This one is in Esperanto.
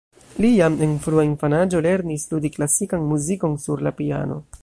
Li jam en frua infanaĝo lernis ludi klasikan muzikon sur la piano.